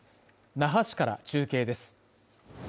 那覇市から中継です